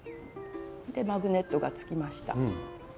マグネットがつきました。